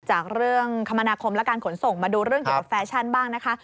จากเรื่องคมนาคมและการขนส่งมาดูเรื่องเกี่ยวกับแฟชั่นบ้างนะคะ